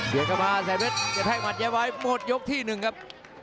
เย้กระบาดแสนเพชรจะแท่กมัดเย้ไว้หมดยกที่หนึ่งครับ